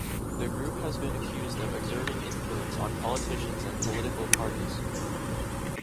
The group has been accused of exerting influence on politicians and political parties.